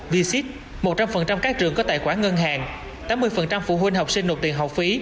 vxit một trăm linh các trường có tài khoản ngân hàng tám mươi phụ huynh học sinh nộp tiền học phí